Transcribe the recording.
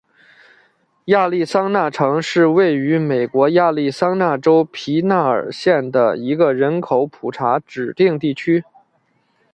亚利桑那城是位于美国亚利桑那州皮纳尔县的一个人口普查指定地区。